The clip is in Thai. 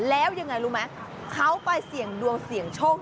แล้วยังไงรู้ไหมเขาไปเสี่ยงดวงเสี่ยงโชค